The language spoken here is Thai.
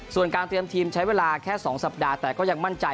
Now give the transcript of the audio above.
ส่วนการเตรียมทีมใช้เวลาแค่๒สัปดาห์แต่ก็ยังมั่นใจ